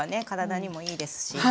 体にもいいですし。